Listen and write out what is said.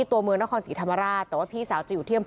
ตัวเมืองนครสีธรรมราช